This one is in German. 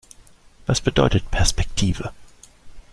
Was bedeutet Perspektive?